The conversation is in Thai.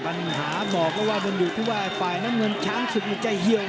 ปัญหาบอกแล้วว่ามันอยู่ที่ว่าฝ่ายน้ำเงินช้างศึกในใจเหี่ยวนะ